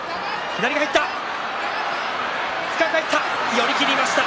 寄り切りました。